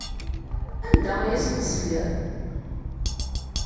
Anda ay asen-tesliḍ?